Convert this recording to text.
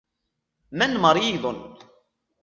من مريض ؟